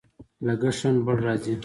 لګښت هم لوړ راځي.